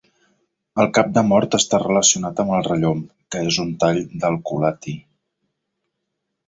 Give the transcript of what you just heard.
El cap de mort està relacionat amb el rellom, que és un tall del culatí.